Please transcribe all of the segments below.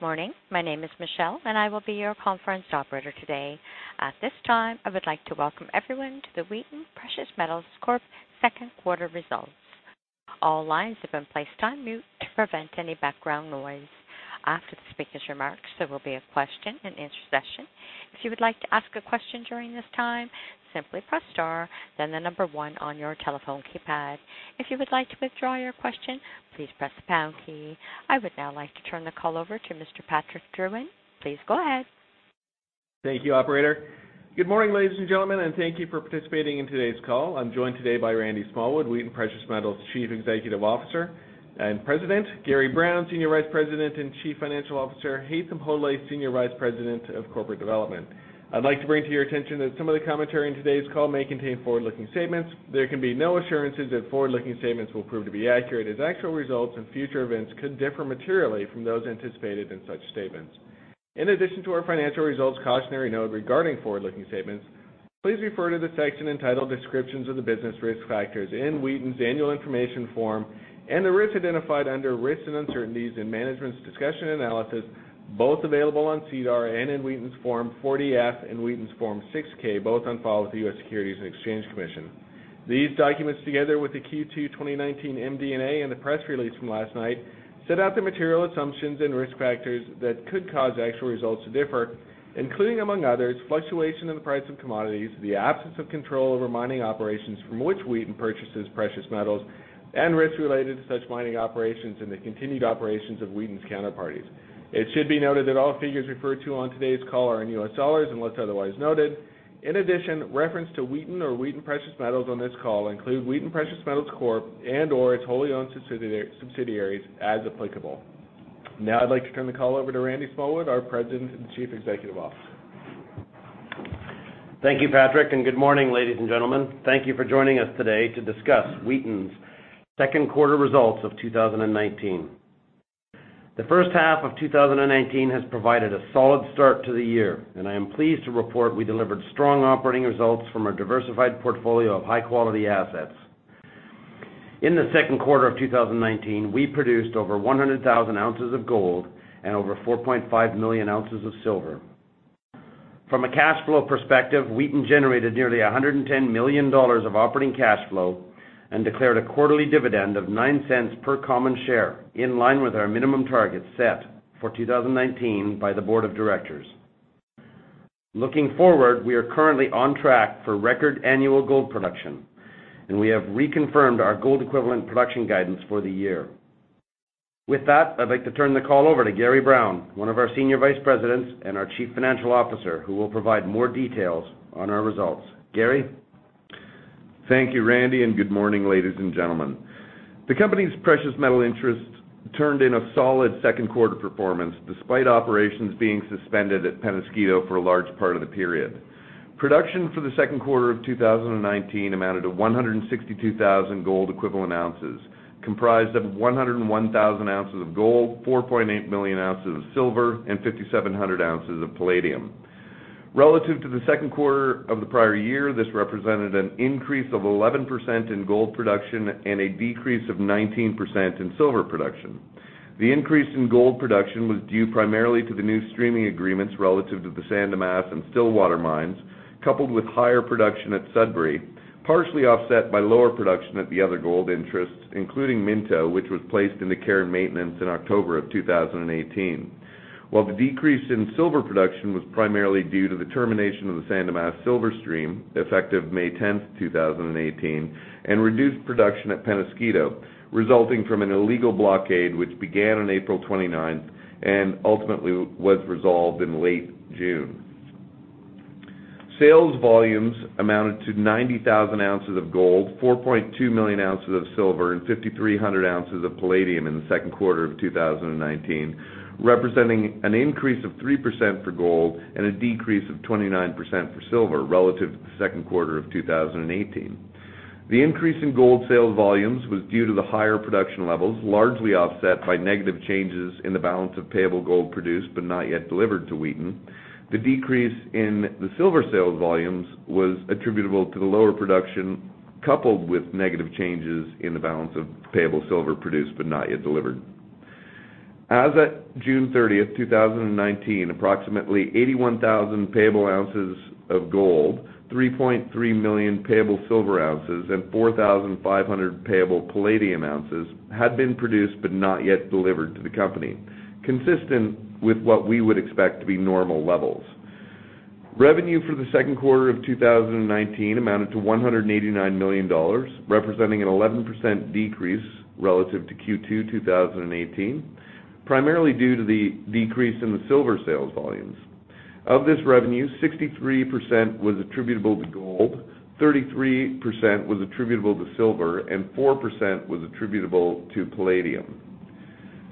Good morning. My name is Michelle, and I will be your conference operator today. At this time, I would like to welcome everyone to the Wheaton Precious Metals Corp. second quarter results. All lines have been placed on mute to prevent any background noise. After the speaker's remarks, there will be a question and answer session. If you would like to ask a question during this time, simply press star, then the number 1 on your telephone keypad. If you would like to withdraw your question, please press the pound key. I would now like to turn the call over to Mr. Patrick Drouin. Please go ahead. Thank you, operator. Good morning, ladies and gentlemen, and thank you for participating in today's call. I am joined today by Randy Smallwood, Wheaton Precious Metals Chief Executive Officer and President, Gary Brown, Senior Vice President and Chief Financial Officer, Haytham Hodaly, Senior Vice President of Corporate Development. I would like to bring to your attention that some of the commentary in today's call may contain forward-looking statements. There can be no assurances that forward-looking statements will prove to be accurate, as actual results and future events could differ materially from those anticipated in such statements. In addition to our financial results cautionary note regarding forward-looking statements, please refer to the section entitled Descriptions of the Business Risk Factors in Wheaton's annual information form and the risks identified under Risks and Uncertainties in Management's Discussion Analysis, both available on SEDAR and in Wheaton's Form 40-F and Wheaton's Form 6-K, both on file with the U.S. Securities and Exchange Commission. These documents, together with the Q2 2019 MD&A and the press release from last night, set out the material assumptions and risk factors that could cause actual results to differ, including, among others, fluctuation in the price of commodities, the absence of control over mining operations from which Wheaton purchases precious metals, and risks related to such mining operations and the continued operations of Wheaton's counterparties. It should be noted that all figures referred to on today's call are in U.S. dollars, unless otherwise noted. In addition, reference to Wheaton or Wheaton Precious Metals on this call include Wheaton Precious Metals Corp. and/or its wholly owned subsidiaries as applicable. I'd like to turn the call over to Randy Smallwood, our President and Chief Executive Officer. Thank you, Patrick, and good morning, ladies and gentlemen. Thank you for joining us today to discuss Wheaton's second quarter results of 2019. The first half of 2019 has provided a solid start to the year, and I am pleased to report we delivered strong operating results from our diversified portfolio of high-quality assets. In the second quarter of 2019, we produced over 100,000 ounces of gold and over 4.5 million ounces of silver. From a cash flow perspective, Wheaton generated nearly $110 million of operating cash flow and declared a quarterly dividend of $0.09 per common share, in line with our minimum targets set for 2019 by the board of directors. Looking forward, we are currently on track for record annual gold production, and we have reconfirmed our gold equivalent production guidance for the year. With that, I'd like to turn the call over to Gary Brown, one of our Senior Vice Presidents and our Chief Financial Officer, who will provide more details on our results. Gary? Thank you, Randy, and good morning, ladies and gentlemen. The company's precious metal interests turned in a solid second quarter performance, despite operations being suspended at Peñasquito for a large part of the period. Production for the second quarter of 2019 amounted to 162,000 gold equivalent ounces, comprised of 101,000 ounces of gold, 4.8 million ounces of silver, and 5,700 ounces of palladium. Relative to the second quarter of the prior year, this represented an increase of 11% in gold production and a decrease of 19% in silver production. The increase in gold production was due primarily to the new streaming agreements relative to the San Dimas and Stillwater mines, coupled with higher production at Sudbury, partially offset by lower production at the other gold interests, including Minto, which was placed into care and maintenance in October of 2018. While the decrease in silver production was primarily due to the termination of the San Dimas silver stream effective May 10th, 2018, and reduced production at Peñasquito, resulting from an illegal blockade, which began on April 29th and ultimately was resolved in late June. Sales volumes amounted to 90,000 ounces of gold, 4.2 million ounces of silver, and 5,300 ounces of palladium in the second quarter of 2019, representing an increase of 3% for gold and a decrease of 29% for silver relative to the second quarter of 2018. The increase in gold sales volumes was due to the higher production levels, largely offset by negative changes in the balance of payable gold produced but not yet delivered to Wheaton. The decrease in the silver sales volumes was attributable to the lower production, coupled with negative changes in the balance of payable silver produced but not yet delivered. As at June 30th, 2019, approximately 81,000 payable ounces of gold, 3.3 million payable silver ounces, and 4,500 payable palladium ounces had been produced but not yet delivered to the company, consistent with what we would expect to be normal levels. Revenue for the second quarter of 2019 amounted to $189 million, representing an 11% decrease relative to Q2 2018, primarily due to the decrease in the silver sales volumes. Of this revenue, 63% was attributable to gold, 33% was attributable to silver, and 4% was attributable to palladium.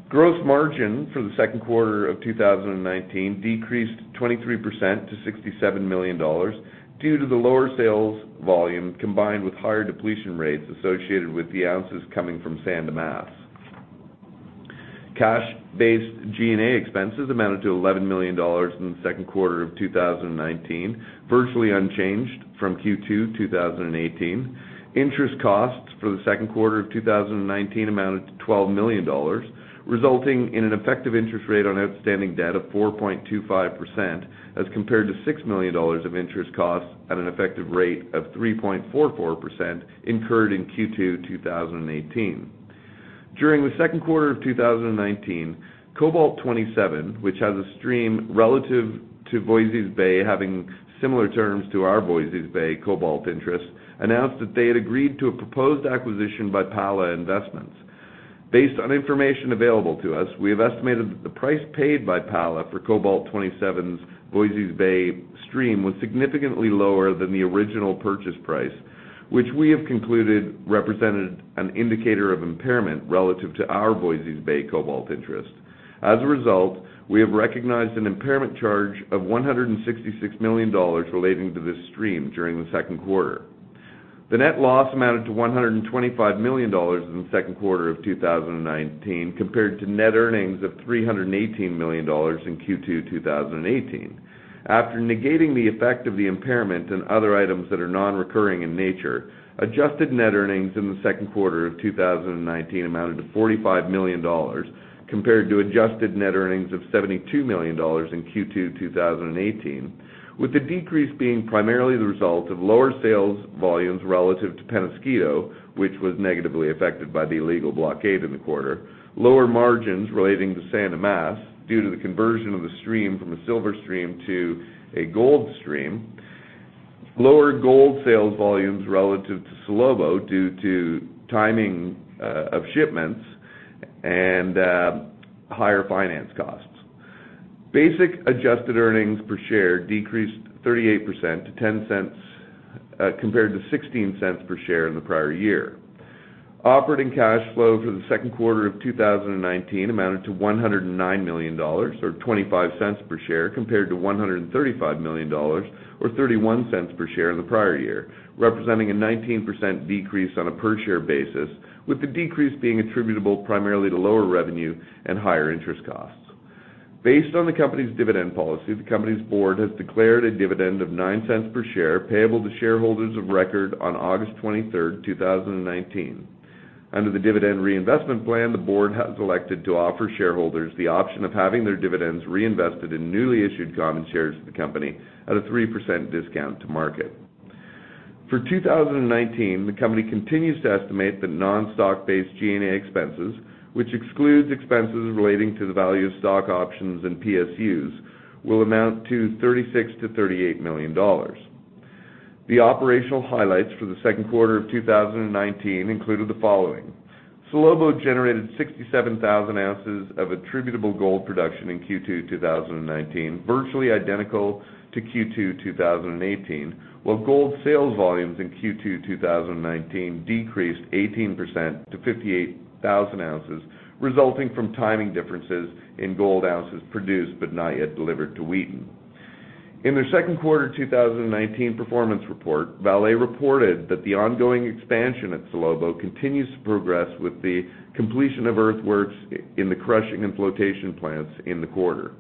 Gross margin for the second quarter of 2019 decreased 23% to $67 million due to the lower sales volume, combined with higher depletion rates associated with the ounces coming from San Dimas. Cash-based G&A expenses amounted to $11 million in the second quarter of 2019, virtually unchanged from Q2 2018. Interest costs for the second quarter of 2019 amounted to $12 million, resulting in an effective interest rate on outstanding debt of 4.25%, as compared to $6 million of interest costs at an effective rate of 3.44% incurred in Q2 2018. During the second quarter of 2019, Cobalt 27, which has a stream relative to Voisey's Bay having similar terms to our Voisey's Bay Cobalt interest, announced that they had agreed to a proposed acquisition by Pala Investments. Based on information available to us, we have estimated that the price paid by Pala for Cobalt 27's Voisey's Bay stream was significantly lower than the original purchase price, which we have concluded represented an indicator of impairment relative to our Voisey's Bay Cobalt interest. We have recognized an impairment charge of $166 million relating to this stream during the second quarter. The net loss amounted to $125 million in the second quarter of 2019, compared to net earnings of $318 million in Q2 2018. After negating the effect of the impairment and other items that are non-recurring in nature, adjusted net earnings in the second quarter of 2019 amounted to $45 million, compared to adjusted net earnings of $72 million in Q2 2018, with the decrease being primarily the result of lower sales volumes relative to Penasquito, which was negatively affected by the illegal blockade in the quarter, lower margins relating to San Dimas due to the conversion of the stream from a silver stream to a gold stream, lower gold sales volumes relative to Salobo due to timing of shipments, and higher finance costs. Basic adjusted earnings per share decreased 38% to $0.10 compared to $0.16 per share in the prior year. Operating cash flow for the second quarter of 2019 amounted to $109 million, or $0.25 per share, compared to $135 million or $0.31 per share in the prior year, representing a 19% decrease on a per share basis, with the decrease being attributable primarily to lower revenue and higher interest costs. Based on the company's dividend policy, the company's board has declared a dividend of $0.09 per share payable to shareholders of record on August 23rd, 2019. Under the dividend reinvestment plan, the board has elected to offer shareholders the option of having their dividends reinvested in newly issued common shares of the company at a 3% discount to market. For 2019, the company continues to estimate that non-stock-based G&A expenses, which excludes expenses relating to the value of stock options and PSUs, will amount to $36 million-$38 million. The operational highlights for the second quarter of 2019 included the following. Salobo generated 67,000 ounces of attributable gold production in Q2 2019, virtually identical to Q2 2018, while gold sales volumes in Q2 2019 decreased 18% to 58,000 ounces, resulting from timing differences in gold ounces produced but not yet delivered to Wheaton. In their second quarter 2019 performance report, Vale reported that the ongoing expansion at Salobo continues to progress with the completion of earthworks in the crushing and flotation plants in the quarter.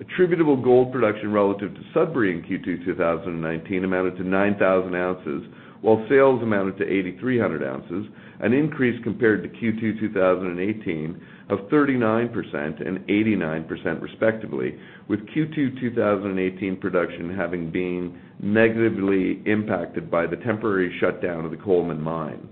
Attributable gold production relative to Sudbury in Q2 2019 amounted to 9,000 ounces, while sales amounted to 8,300 ounces, an increase compared to Q2 2018 of 39% and 89% respectively, with Q2 2018 production having been negatively impacted by the temporary shutdown of the Coleman Mine.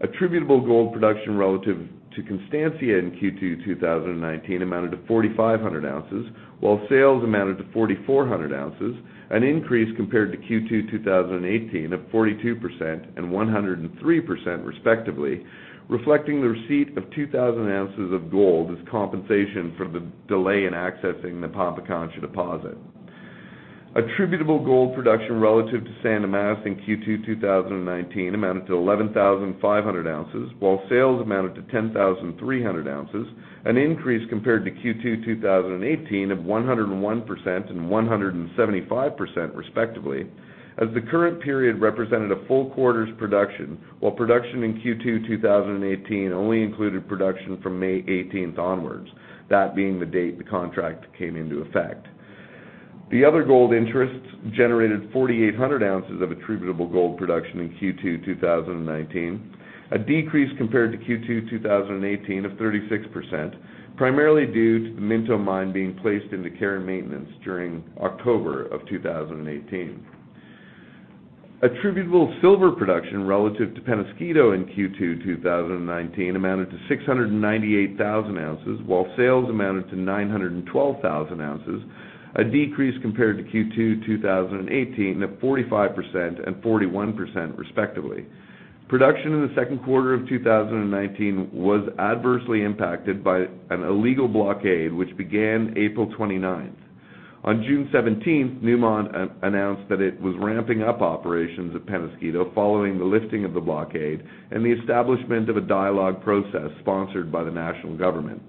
Attributable gold production relative to Constancia in Q2 2019 amounted to 4,500 ounces, while sales amounted to 4,400 ounces, an increase compared to Q2 2018 of 42% and 103% respectively, reflecting the receipt of 2,000 ounces of gold as compensation for the delay in accessing the Pampacancha deposit. Attributable gold production relative to San Dimas in Q2 2019 amounted to 11,500 ounces, while sales amounted to 10,300 ounces, an increase compared to Q2 2018 of 101% and 175% respectively, as the current period represented a full quarter's production while production in Q2 2018 only included production from May 18th onwards, that being the date the contract came into effect. The other gold interests generated 4,800 ounces of attributable gold production in Q2 2019, a decrease compared to Q2 2018 of 36%, primarily due to the Minto Mine being placed into care and maintenance during October of 2018. Attributable silver production relative to Penasquito in Q2 2019 amounted to 698,000 ounces, while sales amounted to 912,000 ounces, a decrease compared to Q2 2018 of 45% and 41% respectively. Production in the second quarter of 2019 was adversely impacted by an illegal blockade which began April 29th. On June 17th, Newmont announced that it was ramping up operations at Penasquito following the lifting of the blockade and the establishment of a dialogue process sponsored by the national government.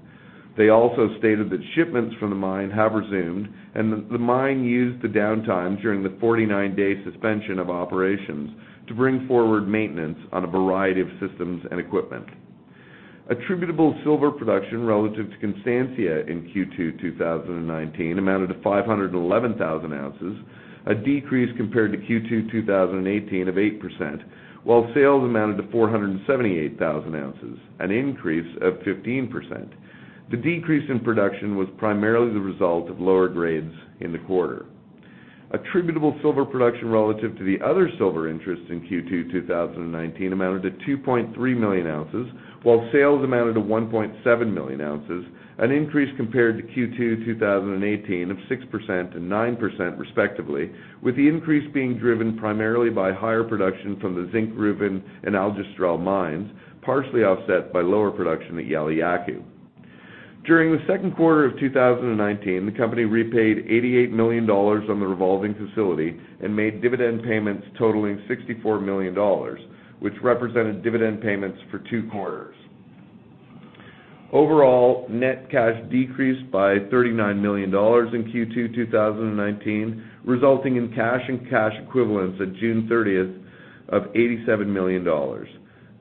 They also stated that shipments from the mine have resumed and the mine used the downtime during the 49-day suspension of operations to bring forward maintenance on a variety of systems and equipment. Attributable silver production relative to Constancia in Q2 2019 amounted to 511,000 ounces, a decrease compared to Q2 2018 of 8%, while sales amounted to 478,000 ounces, an increase of 15%. The decrease in production was primarily the result of lower grades in the quarter. Attributable silver production relative to the other silver interests in Q2 2019 amounted to 2.3 million ounces, while sales amounted to 1.7 million ounces, an increase compared to Q2 2018 of 6% and 9% respectively, with the increase being driven primarily by higher production from the Zinkgruvan and Aljustrel mines, partially offset by lower production at Yauliyacu. During the second quarter of 2019, the company repaid $88 million on the revolving facility and made dividend payments totaling $64 million, which represented dividend payments for two quarters. Overall, net cash decreased by $39 million in Q2 2019, resulting in cash and cash equivalents at June 30th of $87 million.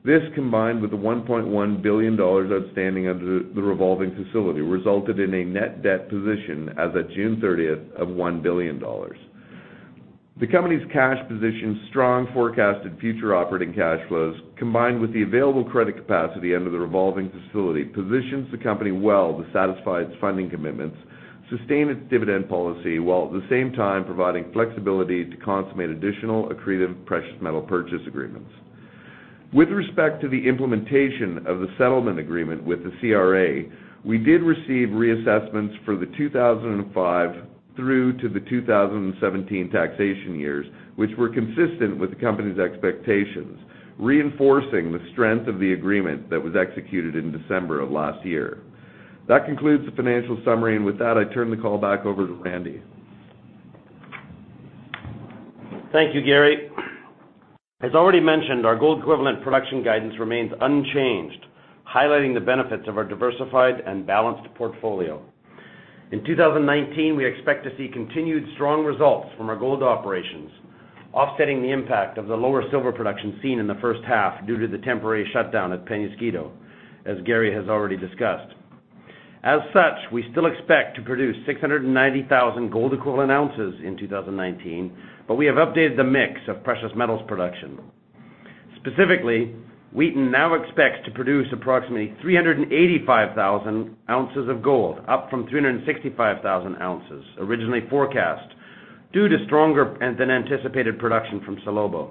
This, combined with the $1.1 billion outstanding under the revolving facility, resulted in a net debt position as of June 30th of $1 billion. The company's cash position, strong forecasted future operating cash flows, combined with the available credit capacity under the revolving facility, positions the company well to satisfy its funding commitments, sustain its dividend policy, while at the same time providing flexibility to consummate additional accretive precious metal purchase agreements. With respect to the implementation of the settlement agreement with the CRA, we did receive reassessments for the 2005 through to the 2017 taxation years, which were consistent with the company's expectations, reinforcing the strength of the agreement that was executed in December of last year. That concludes the financial summary, and with that, I turn the call back over to Randy. Thank you, Gary. As already mentioned, our gold equivalent production guidance remains unchanged, highlighting the benefits of our diversified and balanced portfolio. In 2019, we expect to see continued strong results from our gold operations, offsetting the impact of the lower silver production seen in the first half due to the temporary shutdown at Penasquito, as Gary has already discussed. As such, we still expect to produce 690,000 gold equivalent ounces in 2019, but we have updated the mix of precious metals production. Specifically, Wheaton now expects to produce approximately 385,000 ounces of gold, up from 365,000 ounces originally forecast, due to stronger than anticipated production from Salobo.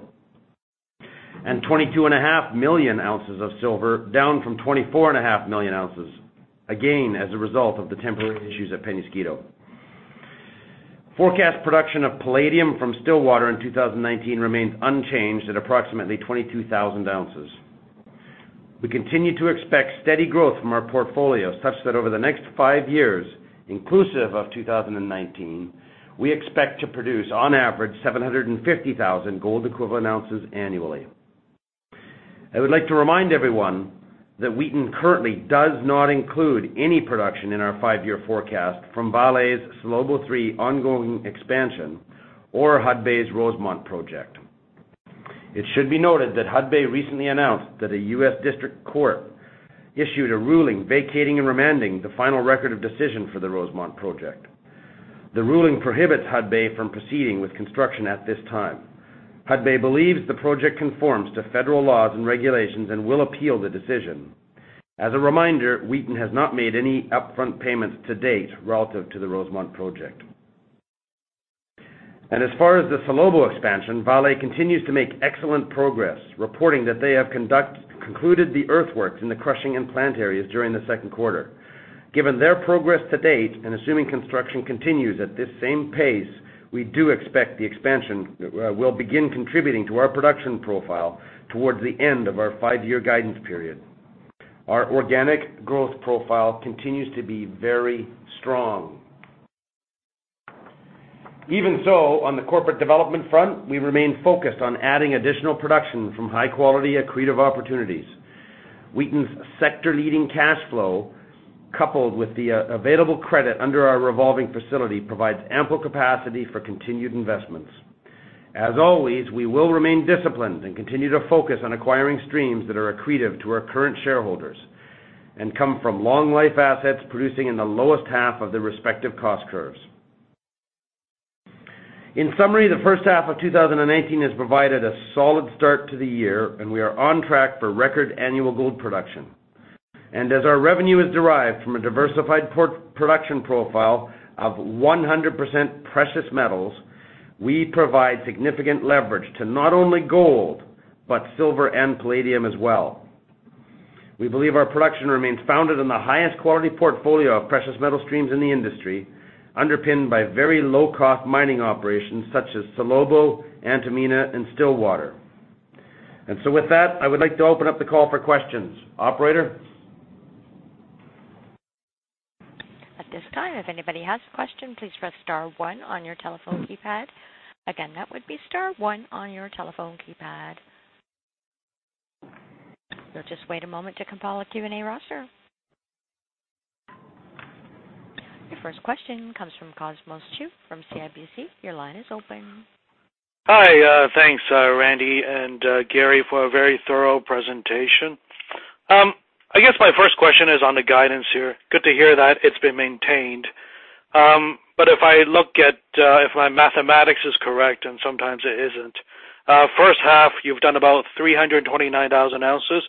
22.5 million ounces of silver, down from 24.5 million ounces, again, as a result of the temporary issues at Penasquito. Forecast production of palladium from Stillwater in 2019 remains unchanged at approximately 22,000 ounces. We continue to expect steady growth from our portfolio such that over the next five years, inclusive of 2019, we expect to produce on average 750,000 gold equivalent ounces annually. I would like to remind everyone that Wheaton currently does not include any production in our five-year forecast from Vale's Salobo III ongoing expansion or Hudbay's Rosemont project. It should be noted that Hudbay recently announced that a U.S. District Court issued a ruling vacating and remanding the final record of decision for the Rosemont project. The ruling prohibits Hudbay from proceeding with construction at this time. Hudbay believes the project conforms to federal laws and regulations and will appeal the decision. As a reminder, Wheaton has not made any upfront payments to date relative to the Rosemont project. As far as the Salobo expansion, Vale continues to make excellent progress, reporting that they have concluded the earthworks in the crushing and plant areas during the second quarter. Given their progress to date, and assuming construction continues at this same pace, we do expect the expansion will begin contributing to our production profile towards the end of our five-year guidance period. Our organic growth profile continues to be very strong. Even so, on the corporate development front, we remain focused on adding additional production from high-quality accretive opportunities. Wheaton's sector leading cash flow, coupled with the available credit under our revolving facility, provides ample capacity for continued investments. As always, we will remain disciplined and continue to focus on acquiring streams that are accretive to our current shareholders and come from long life assets producing in the lowest half of their respective cost curves. In summary, the first half of 2019 has provided a solid start to the year, and we are on track for record annual gold production. As our revenue is derived from a diversified production profile of 100% precious metals, we provide significant leverage to not only gold, but silver and palladium as well. We believe our production remains founded in the highest quality portfolio of precious metal streams in the industry, underpinned by very low-cost mining operations such as Salobo, Antamina and Stillwater. With that, I would like to open up the call for questions. Operator? At this time, if anybody has a question, please press star one on your telephone keypad. Again, that would be star one on your telephone keypad. We'll just wait a moment to compile a Q&A roster. Your first question comes from Cosmos Chiu from CIBC. Your line is open. Hi, thanks, Randy and Gary, for a very thorough presentation. I guess my first question is on the guidance here. Good to hear that it's been maintained. If my mathematics is correct, and sometimes it isn't, first half, you've done about 329,000 ounces,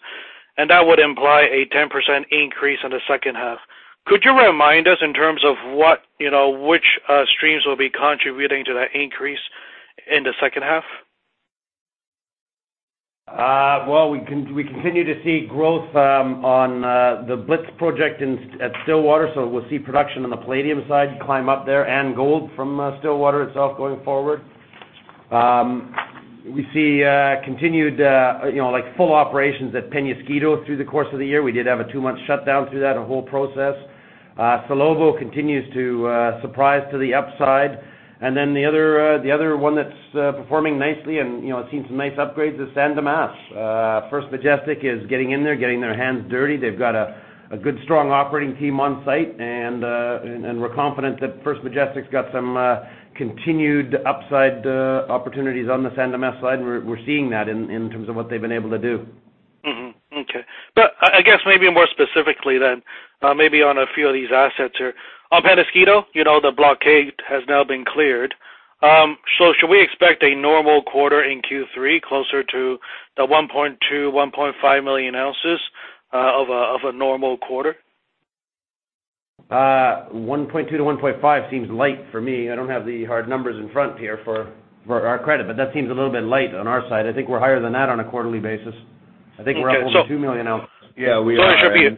and that would imply a 10% increase in the second half. Could you remind us in terms of which streams will be contributing to that increase in the second half? We continue to see growth on the Blitz project at Stillwater, we'll see production on the palladium side climb up there and gold from Stillwater itself going forward. We see continued full operations at Penasquito through the course of the year. We did have a two-month shutdown through that whole process. Salobo continues to surprise to the upside. The other one that's performing nicely and seeing some nice upgrades is San Dimas. First Majestic is getting in there, getting their hands dirty. They've got a good, strong operating team on site, we're confident that First Majestic's got some continued upside opportunities on the San Dimas side, we're seeing that in terms of what they've been able to do. Okay. I guess maybe more specifically, maybe on a few of these assets here. On Penasquito, the blockade has now been cleared. Should we expect a normal quarter in Q3 closer to 1.2 million-1.5 million ounces of a normal quarter? 1.2-1.5 seems light for me. I don't have the hard numbers in front here for our credit, that seems a little bit light on our side. I think we're higher than that on a quarterly basis. I think we're up over two million ounces. Okay. Yeah, we are.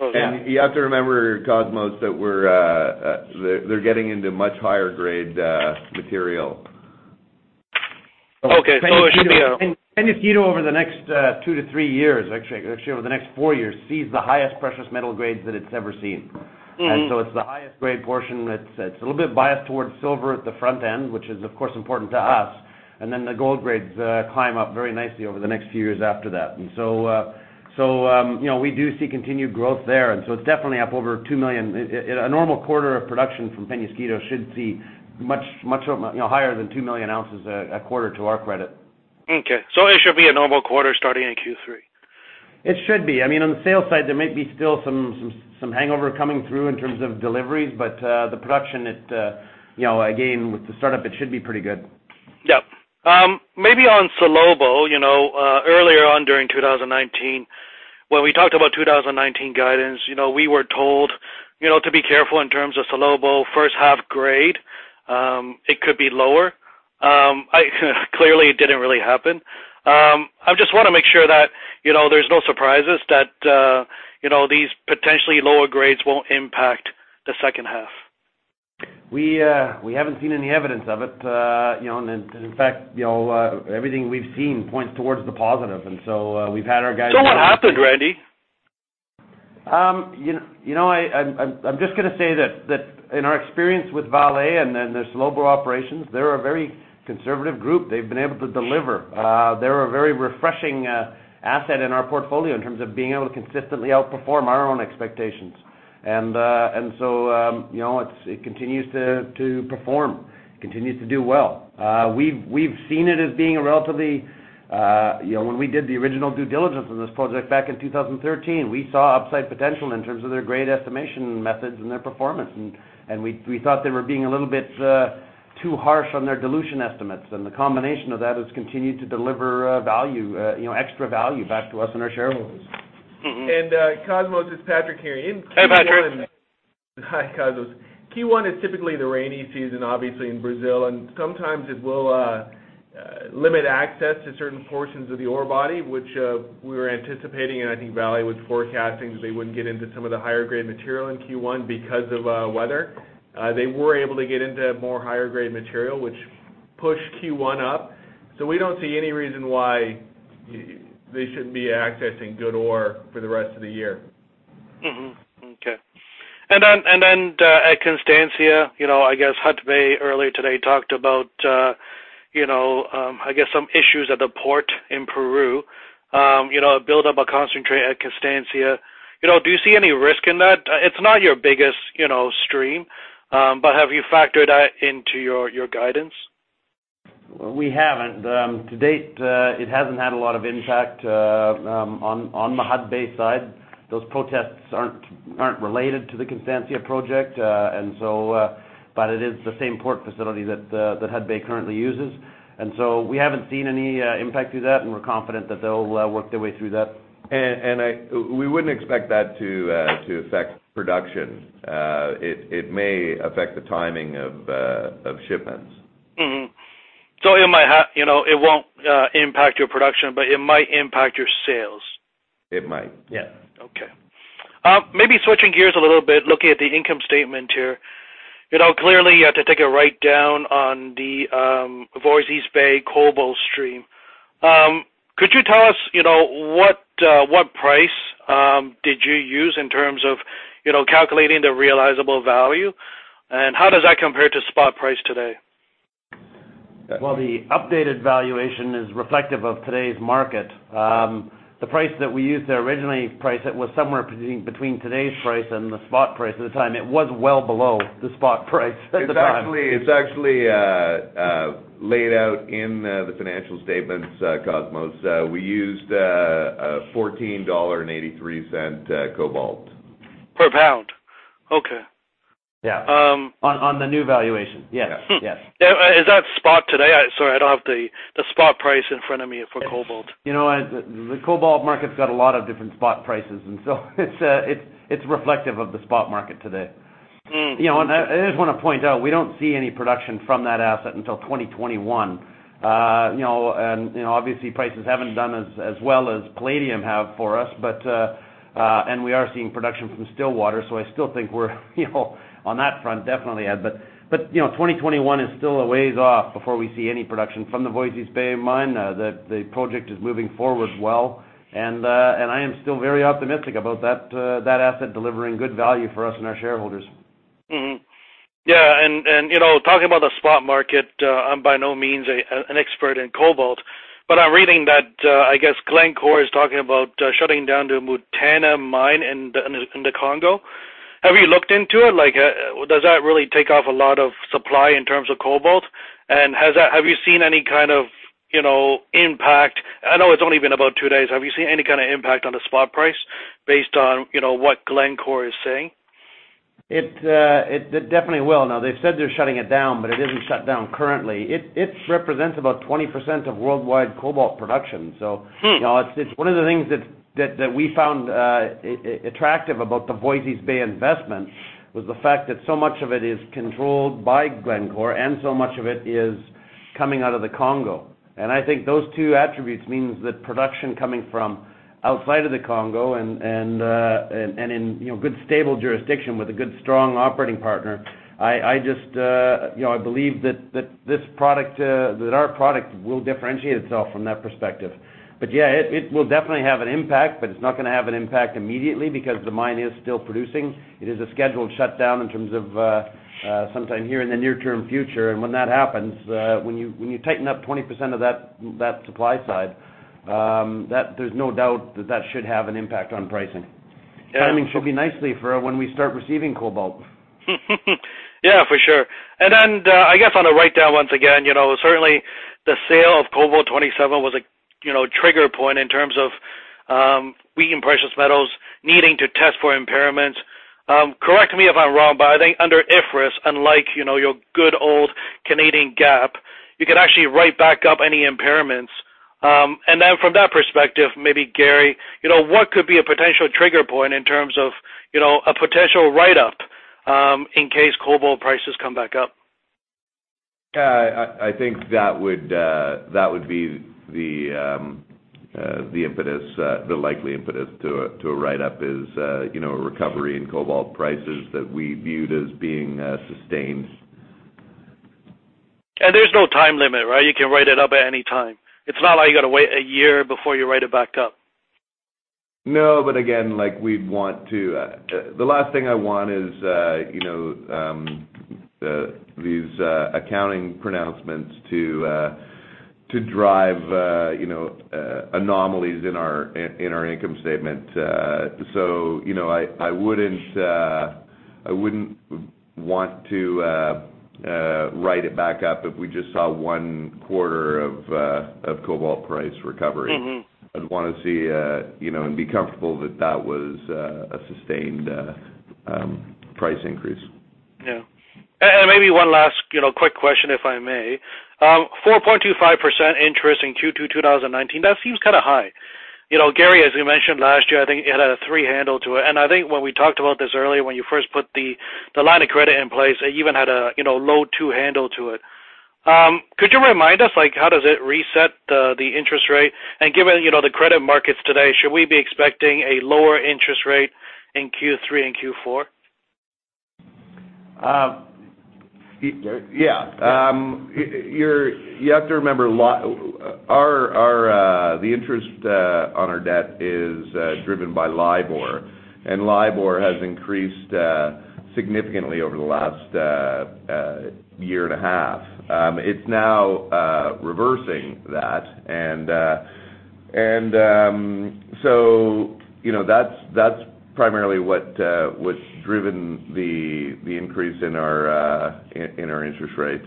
You have to remember, Cosmos, that they're getting into much higher grade material. Okay. Penasquito over the next two to three years, actually over the next four years, sees the highest precious metal grades that it's ever seen. It's the highest grade portion that's a little bit biased towards silver at the front end, which is, of course, important to us. Then the gold grades climb up very nicely over the next few years after that. We do see continued growth there, so it's definitely up over 2 million. A normal quarter of production from Peñasquito should see much higher than 2 million ounces a quarter to our credit. Okay. It should be a normal quarter starting in Q3. It should be. On the sales side, there might be still some hangover coming through in terms of deliveries, but the production, again, with the startup, it should be pretty good. Yep. Maybe on Salobo, earlier on during 2019, when we talked about 2019 guidance, we were told to be careful in terms of Salobo first half grade. It could be lower. Clearly, it didn't really happen. I just want to make sure that there's no surprises that these potentially lower grades won't impact the second half. We haven't seen any evidence of it. In fact, everything we've seen points towards the positive. We've had our guys- What happened, Randy? I'm just going to say that in our experience with Vale and then the Salobo operations, they're a very conservative group. They've been able to deliver. They're a very refreshing asset in our portfolio in terms of being able to consistently outperform our own expectations. It continues to perform, continues to do well. When we did the original due diligence on this project back in 2013, we saw upside potential in terms of their grade estimation methods and their performance, and we thought they were being a little bit too harsh on their dilution estimates, and the combination of that has continued to deliver extra value back to us and our shareholders. Cosmos, it's Patrick here. Hi, Patrick. Hi, Cosmos. Q1 is typically the rainy season, obviously, in Brazil, and sometimes it will limit access to certain portions of the ore body, which we were anticipating, and I think Vale was forecasting that they wouldn't get into some of the higher grade material in Q1 because of weather. They were able to get into more higher grade material, which pushed Q1 up. We don't see any reason why they shouldn't be accessing good ore for the rest of the year. Okay. Then at Constancia, I guess Hudbay earlier today talked about some issues at the port in Peru, build up a concentrate at Constancia. Do you see any risk in that? It's not your biggest stream, but have you factored that into your guidance? We haven't. To date, it hasn't had a lot of impact on the Hudbay side. Those protests aren't related to the Constancia project, but it is the same port facility that Hudbay currently uses. We haven't seen any impact through that, and we're confident that they'll work their way through that. We wouldn't expect that to affect production. It may affect the timing of shipments. It won't impact your production, but it might impact your sales. It might. Yeah. Okay. Maybe switching gears a little bit, looking at the income statement here. Clearly, you had to take a write down on the Voisey's Bay cobalt stream. Could you tell us what price you use in terms of calculating the realizable value, and how does that compare to spot price today? Well, the updated valuation is reflective of today's market. The price that we used to originally price it was somewhere between today's price and the spot price at the time. It was well below the spot price at the time. It's actually laid out in the financial statements, Cosmos. We used a $14.83 cobalt. Per pound? Okay. Yeah. On the new valuation. Yes. Is that spot today? Sorry, I don't have the spot price in front of me for cobalt. You know what? The cobalt market's got a lot of different spot prices, and so it's reflective of the spot market today. I did want to point out, we don't see any production from that asset until 2021. Obviously prices haven't done as well as palladium have for us. We are seeing production from Stillwater, so I still think we're on that front definitely ahead, but 2021 is still a ways off before we see any production from the Voisey's Bay mine. The project is moving forward well, and I am still very optimistic about that asset delivering good value for us and our shareholders. Mm-hmm. Yeah, talking about the spot market, I'm by no means an expert in cobalt, I'm reading that, I guess Glencore is talking about shutting down the Mutanda mine in the Congo. Have you looked into it? Does that really take off a lot of supply in terms of cobalt? Have you seen any kind of impact I know it's only been about two days. Have you seen any kind of impact on the spot price based on what Glencore is saying? It definitely will. They've said they're shutting it down, but it isn't shut down currently. It represents about 20% of worldwide cobalt production. it's one of the things that we found attractive about the Voisey's Bay investment was the fact that so much of it is controlled by Glencore and so much of it is coming out of the Congo. I think those two attributes means that production coming from outside of the Congo and in good, stable jurisdiction with a good, strong operating partner, I believe that our product will differentiate itself from that perspective. Yeah, it will definitely have an impact, but it's not going to have an impact immediately because the mine is still producing. It is a scheduled shutdown in terms of sometime here in the near-term future. When that happens, when you tighten up 20% of that supply side, there's no doubt that that should have an impact on pricing. Timing should be nicely for when we start receiving cobalt. Yeah, for sure. I guess on the write-down once again, certainly the sale of Cobalt 27 was a trigger point in terms of Wheaton Precious Metals needing to test for impairments. Correct me if I'm wrong, but I think under IFRS, unlike your good old Canadian GAAP, you could actually write back up any impairments. From that perspective, maybe Gary, what could be a potential trigger point in terms of a potential write-up, in case cobalt prices come back up? I think that would be the likely impetus to a write-up is a recovery in cobalt prices that we viewed as being sustained. There's no time limit, right? You can write it up at any time. It's not like you got to wait a year before you write it back up. Again, the last thing I want is these accounting pronouncements to drive anomalies in our income statement. I wouldn't want to write it back up if we just saw one quarter of cobalt price recovery. I'd want to see, and be comfortable that that was a sustained price increase. Yeah. Maybe one last quick question, if I may. 4.25% interest in Q2 2019, that seems kind of high. Gary, as you mentioned last year, I think it had a three handle to it. I think when we talked about this earlier, when you first put the line of credit in place, it even had a low two handle to it. Could you remind us how does it reset the interest rate? Given the credit markets today, should we be expecting a lower interest rate in Q3 and Q4? You have to remember, the interest on our debt is driven by LIBOR. LIBOR has increased significantly over the last year and a half. It's now reversing that. That's primarily what's driven the increase in our interest rates.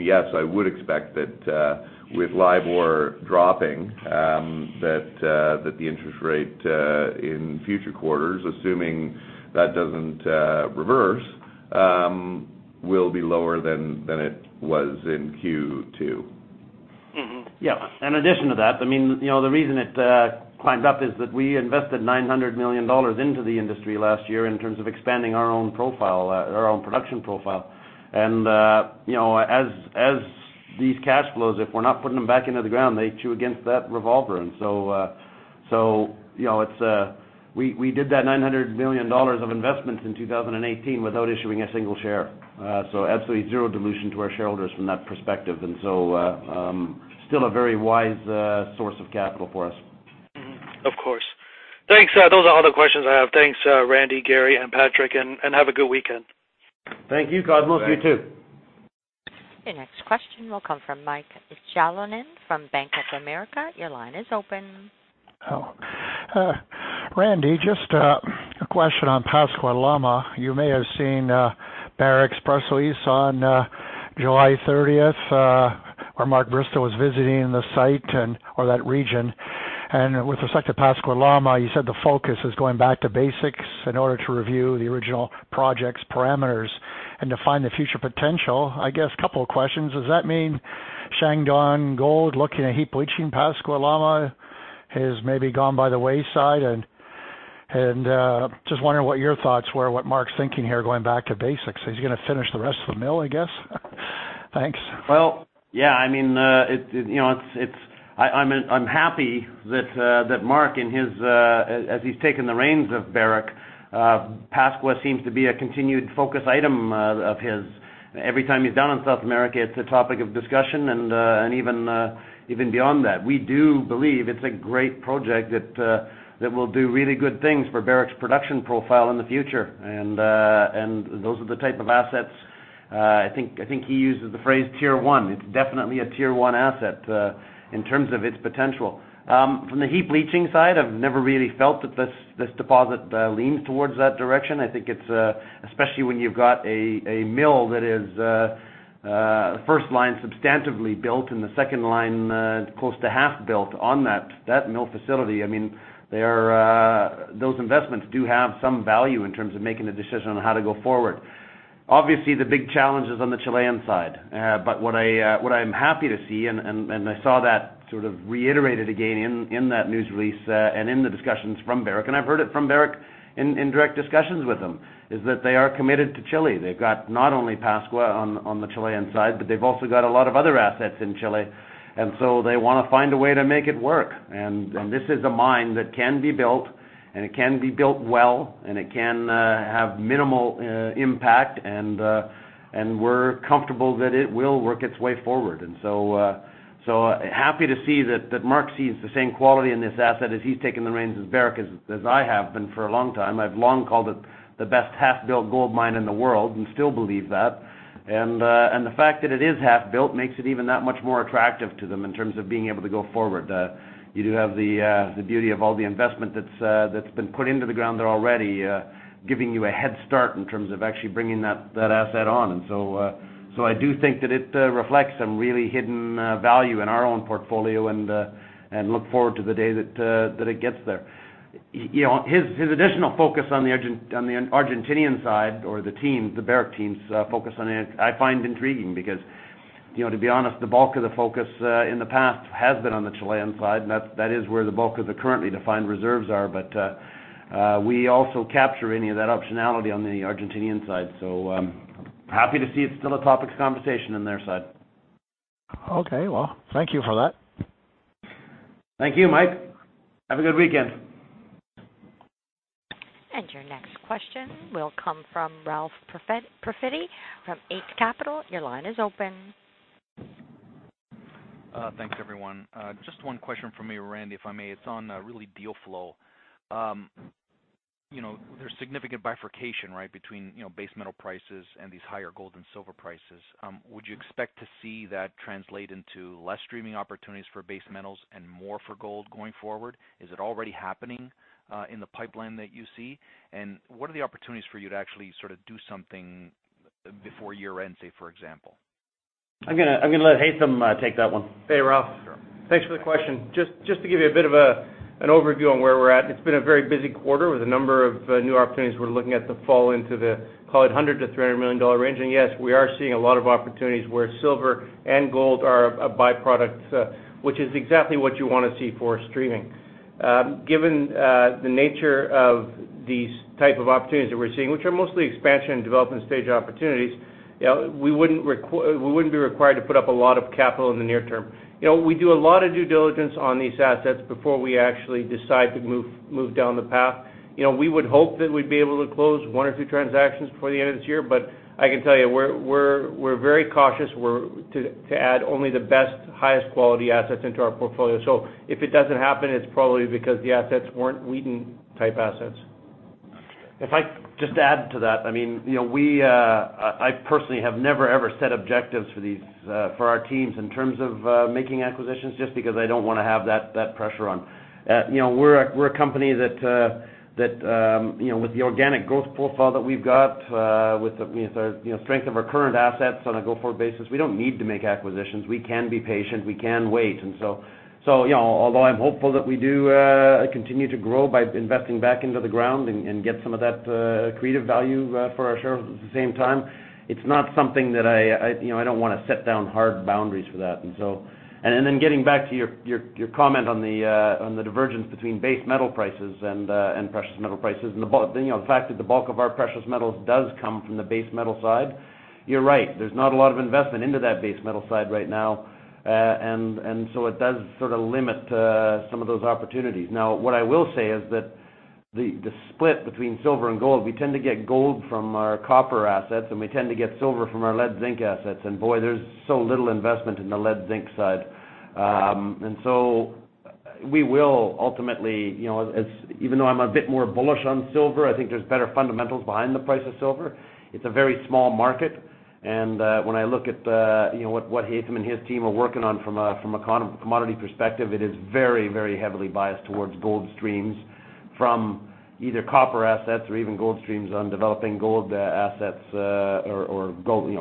Yes, I would expect that with LIBOR dropping, that the interest rate, in future quarters, assuming that doesn't reverse, will be lower than it was in Q2. Yeah. In addition to that, the reason it climbed up is that we invested $900 million into the industry last year in terms of expanding our own production profile. As these cash flows, if we are not putting them back into the ground, they chew against that revolver. We did that $900 million of investments in 2018 without issuing a single share. Absolutely zero dilution to our shareholders from that perspective. Still a very wise source of capital for us. Of course. Thanks. Those are all the questions I have. Thanks, Randy, Gary, and Patrick. Have a good weekend. Thank you, Cosmos. You too. Thank you. Your next question will come from Michael Jalonen from Bank of America. Your line is open. Hello. Randy, just a question on Pascua Lama. You may have seen Barrick's press release on July 30th, where Mark Bristow was visiting the site or that region. With respect to Pascua Lama, you said the focus is going back to basics in order to review the original project's parameters and define the future potential. I guess couple of questions. Does that mean Shandong Gold looking at heap leaching Pascua Lama has maybe gone by the wayside? Just wondering what your thoughts were, what Mark's thinking here, going back to basics. Is he going to finish the rest of the mill, I guess? Thanks. Well, yeah, I'm happy that Mark, as he's taken the reins of Barrick, Pascua seems to be a continued focus item of his. Every time he's down in South America, it's a topic of discussion, and even beyond that. We do believe it's a great project that will do really good things for Barrick's production profile in the future, and those are the type of assets, I think he uses the phrase Tier 1. It's definitely a Tier 1 asset in terms of its potential. From the heap leaching side, I've never really felt that this deposit leans towards that direction. I think especially when you've got a mill that is first line substantively built and the second line close to half built on that mill facility, those investments do have some value in terms of making a decision on how to go forward. Obviously, the big challenge is on the Chilean side. What I'm happy to see, and I saw that sort of reiterated again in that news release and in the discussions from Barrick, and I've heard it from Barrick in direct discussions with them, is that they are committed to Chile. They've got not only Pascua on the Chilean side, but they've also got a lot of other assets in Chile, and so they want to find a way to make it work. This is a mine that can be built, and it can be built well, and it can have minimal impact, and we're comfortable that it will work its way forward. Happy to see that Mark sees the same quality in this asset as he's taking the reins as Barrick, as I have been for a long time. I've long called it the best half-built gold mine in the world and still believe that. The fact that it is half-built makes it even that much more attractive to them in terms of being able to go forward. You do have the beauty of all the investment that's been put into the ground there already giving you a head start in terms of actually bringing that asset on. I do think that it reflects some really hidden value in our own portfolio and look forward to the day that it gets there. His additional focus on the Argentinian side or the Barrick team's focus on it, I find intriguing because, to be honest, the bulk of the focus in the past has been on the Chilean side, and that is where the bulk of the currently defined reserves are, but we also capture any of that optionality on the Argentinian side. I'm happy to see it's still a topic of conversation on their side. Okay. Well, thank you for that. Thank you, Mike. Have a good weekend. Your next question will come from Ralph Profiti from Eight Capital. Your line is open. Thanks, everyone. Just one question from me, Randy, if I may. It is on really deal flow. There is significant bifurcation, right, between base metal prices and these higher gold and silver prices. Would you expect to see that translate into less streaming opportunities for base metals and more for gold going forward? Is it already happening in the pipeline that you see? What are the opportunities for you to actually sort of do something before year-end, say, for example? I'm going to let Haytham take that one. Hey, Ralph. Sure. Thanks for the question. Just to give you a bit of an overview on where we're at. It's been a very busy quarter with a number of new opportunities we're looking at that fall into the, call it $100 million-$300 million range. Yes, we are seeing a lot of opportunities where silver and gold are a by-product, which is exactly what you want to see for streaming. Given the nature of these type of opportunities that we're seeing, which are mostly expansion and development stage opportunities, we wouldn't be required to put up a lot of capital in the near term. We do a lot of due diligence on these assets before we actually decide to move down the path. We would hope that we'd be able to close one or two transactions before the end of this year, but I can tell you we're very cautious to add only the best, highest quality assets into our portfolio. If it doesn't happen, it's probably because the assets weren't Wheaton-type assets. If I could just add to that, I personally have never, ever set objectives for our teams in terms of making acquisitions, just because I don't want to have that pressure on. We're a company that with the organic growth profile that we've got, with the strength of our current assets on a go-forward basis, we don't need to make acquisitions. We can be patient. We can wait. Although I'm hopeful that we do continue to grow by investing back into the ground and get some of that accretive value for our shareholders at the same time, it's not something that I don't want to set down hard boundaries for that. Getting back to your comment on the divergence between base metal prices and precious metal prices, and the fact that the bulk of our precious metals does come from the base metal side, you're right. There's not a lot of investment into that base metal side right now. It does sort of limit some of those opportunities. What I will say is that the split between silver and gold, we tend to get gold from our copper assets, and we tend to get silver from our lead zinc assets. Boy, there's so little investment in the lead zinc side. We will ultimately, even though I'm a bit more bullish on silver, I think there's better fundamentals behind the price of silver. It's a very small market, and when I look at what Haytham and his team are working on from a commodity perspective, it is very, very heavily biased towards gold streams from either copper assets or even gold streams on developing gold assets or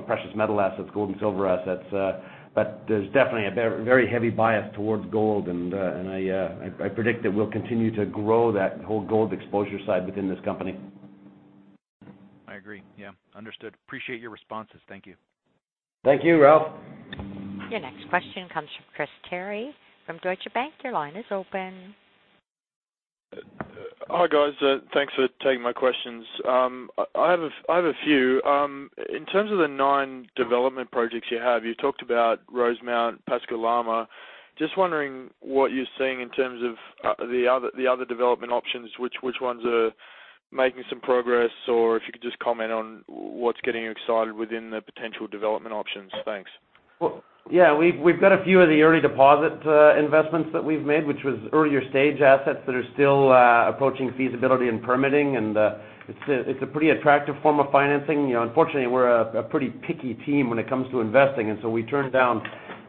precious metal assets, gold and silver assets. There's definitely a very heavy bias towards gold, and I predict that we'll continue to grow that whole gold exposure side within this company. I agree. Yeah. Understood. Appreciate your responses. Thank you. Thank you, Ralph. Your next question comes from Chris Terry from Deutsche Bank. Your line is open. Hi, guys. Thanks for taking my questions. I have a few. In terms of the nine development projects you have, you talked about Rosemont, Pascua Lama. Just wondering what you're seeing in terms of the other development options, which ones are making some progress, or if you could just comment on what's getting you excited within the potential development options. Thanks. Well, yeah, we've got a few of the early deposit investments that we've made, which was earlier stage assets that are still approaching feasibility and permitting, and it's a pretty attractive form of financing. Unfortunately, we're a pretty picky team when it comes to investing. We turn down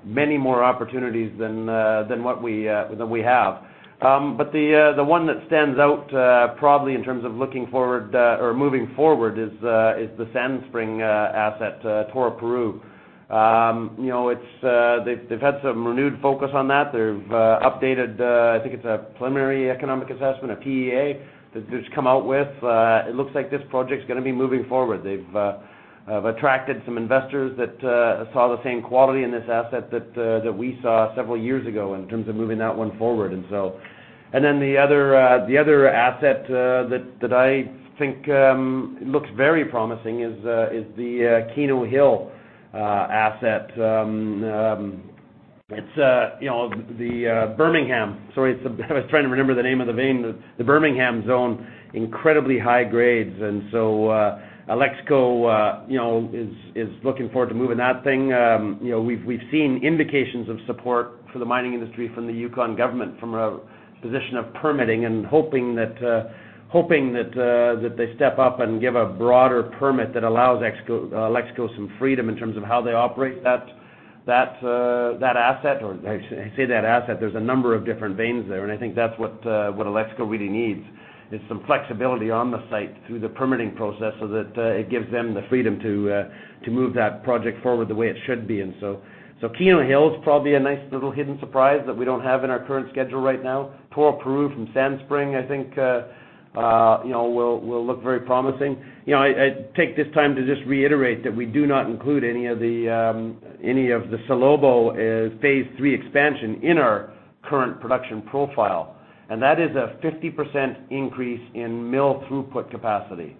many more opportunities than we have. The one that stands out probably in terms of looking forward or moving forward is the Sandspring asset, Toroparu. They've had some renewed focus on that. They've updated, I think it's a preliminary economic assessment, a PEA, that they've just come out with. It looks like this project's going to be moving forward. They've attracted some investors that saw the same quality in this asset that we saw several years ago in terms of moving that one forward. The other asset that I think looks very promising is the Keno Hill asset. The Bermingham. Sorry, I was trying to remember the name of the vein, the Bermingham zone. Incredibly high grades. Alexco is looking forward to moving that thing. We've seen indications of support for the mining industry from the Yukon government, from a position of permitting and hoping that they step up and give a broader permit that allows Alexco some freedom in terms of how they operate that asset, or I say that asset, there's a number of different veins there, and I think that's what Alexco really needs, is some flexibility on the site through the permitting process so that it gives them the freedom to move that project forward the way it should be. Keno Hill is probably a nice little hidden surprise that we don't have in our current schedule right now. Toroparu from Sandspring, I think will look very promising. I take this time to just reiterate that we do not include any of the Salobo phase 3 expansion in our current production profile, and that is a 50% increase in mill throughput capacity.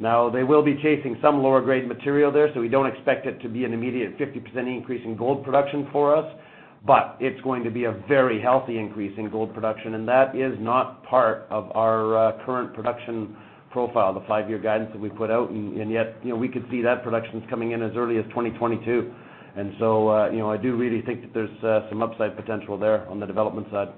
Now, they will be chasing some lower grade material there, so we don't expect it to be an immediate 50% increase in gold production for us, but it's going to be a very healthy increase in gold production, and that is not part of our current production profile, the five-year guidance that we put out. We could see that production coming in as early as 2022. I do really think that there's some upside potential there on the development side.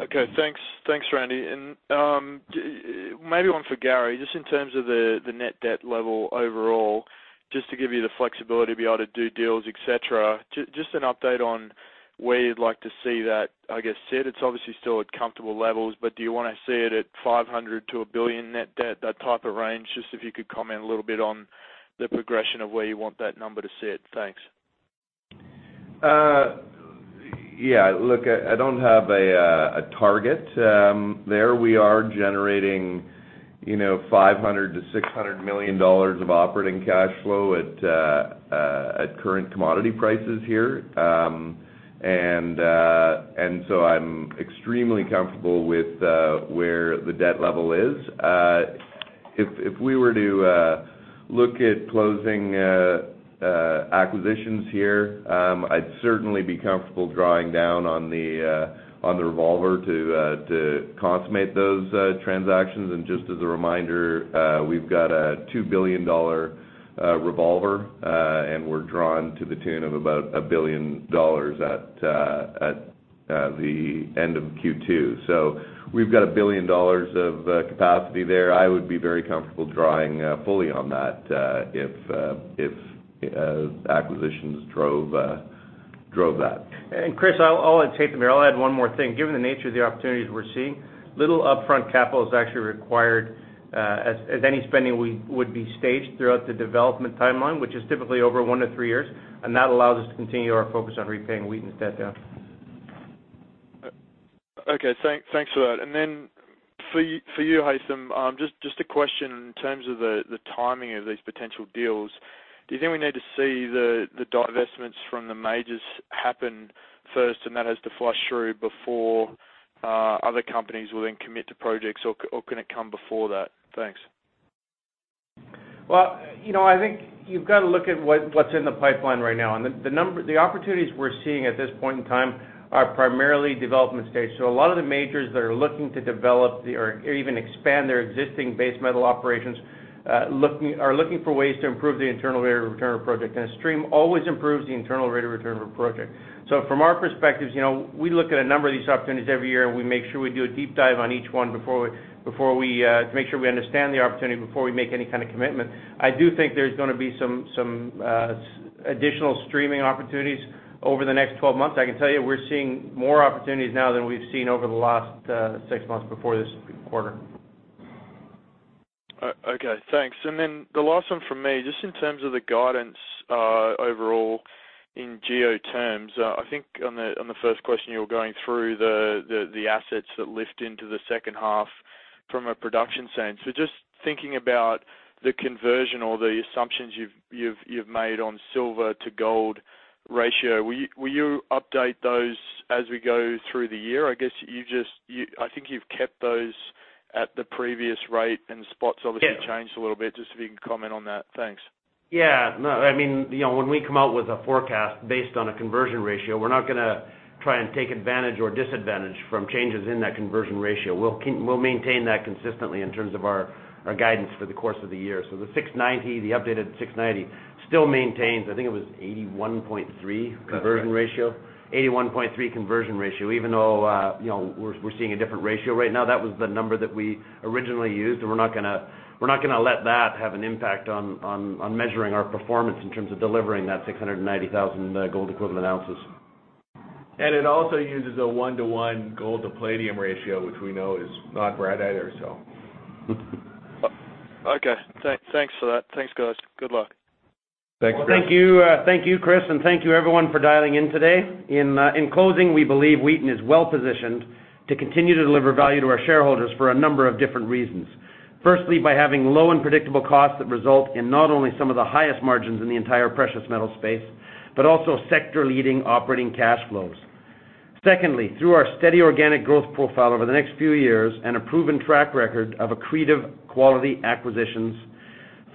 Okay. Thanks, Randy. Maybe one for Gary, just in terms of the net debt level overall, just to give you the flexibility to be able to do deals, et cetera. Just an update on where you'd like to see that, I guess, sit. It's obviously still at comfortable levels, do you want to see it at $500 million-$1 billion net debt, that type of range? Just if you could comment a little bit on the progression of where you want that number to sit. Thanks. Yeah. Look, I don't have a target there. We are generating $500 million to $600 million of operating cash flow at current commodity prices here. So I'm extremely comfortable with where the debt level is. If we were to look at closing acquisitions here, I'd certainly be comfortable drawing down on the revolver to consummate those transactions, and just as a reminder, we've got a $2 billion revolver, and we're drawn to the tune of about $1 billion at the end of Q2. So we've got $1 billion of capacity there. I would be very comfortable drawing fully on that if acquisitions drove that. Chris, I'll take the mirror. I'll add one more thing. Given the nature of the opportunities we're seeing, little upfront capital is actually required as any spending would be staged throughout the development timeline, which is typically over one to three years, that allows us to continue our focus on repaying Wheaton's debt down. Okay. Thanks for that. Then for you, Haytham, just a question in terms of the timing of these potential deals. Do you think we need to see the divestments from the majors happen first and that has to flush through before other companies will then commit to projects, or can it come before that? Thanks. I think you've got to look at what's in the pipeline right now, and the opportunities we're seeing at this point in time are primarily development stage. A lot of the majors that are looking to develop or even expand their existing base metal operations are looking for ways to improve the internal rate of return of a project, and a stream always improves the internal rate of return of a project. From our perspectives, we look at a number of these opportunities every year, and we make sure we do a deep dive on each one to make sure we understand the opportunity before we make any kind of commitment. I do think there's going to be some additional streaming opportunities over the next 12 months. I can tell you we're seeing more opportunities now than we've seen over the last six months before this quarter. Okay, thanks. The last one from me, just in terms of the guidance overall in GEO terms, I think on the first question, you were going through the assets that lift into the second half from a production sense. Just thinking about the conversion or the assumptions you've made on silver to gold ratio, will you update those as we go through the year? I think you've kept those at the previous rate, and the spot's obviously changed a little bit. Just if you can comment on that. Thanks. Yeah. No, when we come out with a forecast based on a conversion ratio, we're not going to try and take advantage or disadvantage from changes in that conversion ratio. We'll maintain that consistently in terms of our guidance for the course of the year. The updated 690 still maintains, I think it was 81.3 conversion ratio? Correct. 81.3 conversion ratio, even though we're seeing a different ratio right now. That was the number that we originally used, we're not going to let that have an impact on measuring our performance in terms of delivering that 690,000 gold equivalent ounces. It also uses a one-to-one gold to palladium ratio, which we know is not right either. Okay. Thanks for that. Thanks, guys. Good luck. Thanks, Chris. Well, thank you, Chris, thank you everyone for dialing in today. In closing, we believe Wheaton is well positioned to continue to deliver value to our shareholders for a number of different reasons. Firstly, by having low and predictable costs that result in not only some of the highest margins in the entire precious metal space, but also sector leading operating cash flows. Secondly, through our steady organic growth profile over the next few years and a proven track record of accretive quality acquisitions.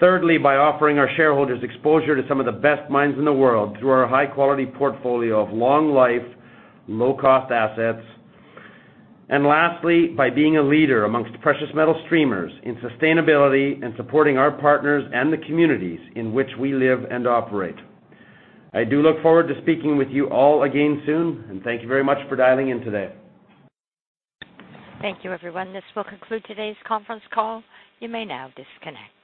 Thirdly, by offering our shareholders exposure to some of the best mines in the world through our high quality portfolio of long life, low cost assets. Lastly, by being a leader amongst precious metal streamers in sustainability and supporting our partners and the communities in which we live and operate. I do look forward to speaking with you all again soon, and thank you very much for dialing in today. Thank you, everyone. This will conclude today's conference call. You may now disconnect.